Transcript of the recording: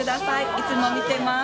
いつも見てます。